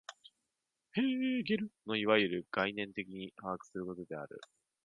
ヘーゲルのいわゆる概念的に把握することである。